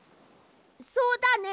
そうだね！